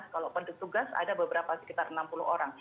kalau penduduk tugas ada beberapa sekitar enam puluh orang